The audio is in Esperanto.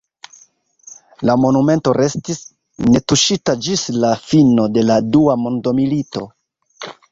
La monumento restis netuŝita ĝis la fino de la Dua mondmilito.